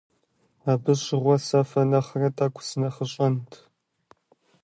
Абы щыгъуэ сэ фэ нэхърэ тӀэкӀу сынэхъыщӀэнт.